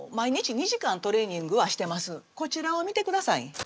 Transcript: こちらを見てください。